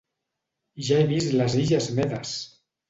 Ja he vist Les Illes Medes!